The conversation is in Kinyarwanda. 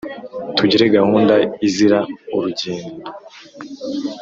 tugire gahunda izira urugendo